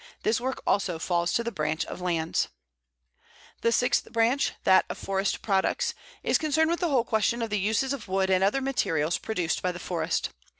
This work also falls to the Branch of Lands. The sixth branch, that of Forest Products, is concerned with the whole question of the uses of wood and other materials produced by the forest.